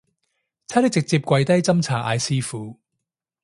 差啲直接跪低斟茶嗌師父